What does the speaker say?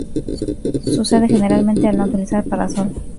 Sucede generalmente al no utilizar parasol.